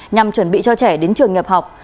nhằm chuẩn bị cho trẻ đến trường nghiệp học